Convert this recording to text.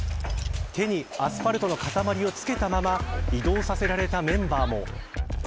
手にアスファルトの塊を付けたまま移動させられたメンバーも。